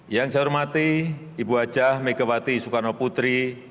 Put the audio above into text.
yang saya hormati ibu hajah megawati soekarnoputri